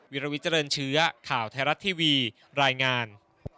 วิลวิเจริญเชื้อข่าวไทยรัฐทีวีรายงาน